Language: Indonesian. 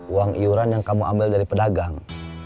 uang iuran yang kamu ambil dari pedagang